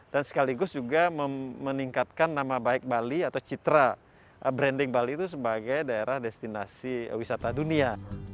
dan sekaligus juga meningkatkan nama baik bali atau citra branding bali itu sebagai daerah destinasi wisata dunia